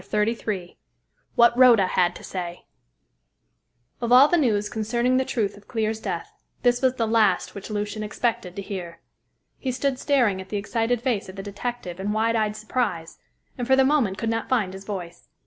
CHAPTER XXXIII WHAT RHODA HAD TO SAY Of all the news concerning the truth of Clear's death, this was the last which Lucian expected to hear. He stood staring at the excited face of the detective in wide eyed surprise, and for the moment could not find his voice.